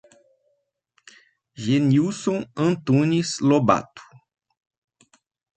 Genilson Antunes Lobato